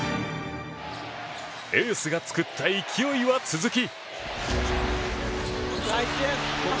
エースが作った勢いは続き。